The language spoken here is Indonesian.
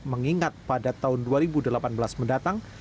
mengingat pada tahun dua ribu delapan belas mendatang